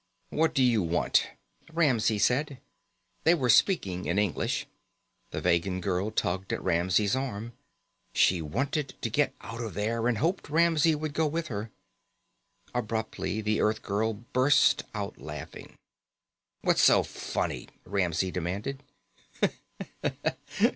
"What do you want?" Ramsey said. They were speaking in English. The Vegan girl tugged at Ramsey's arm. She wanted to get out of there and hoped Ramsey would go with her. Abruptly the Earthgirl burst out laughing. "What's so funny?" Ramsey demanded.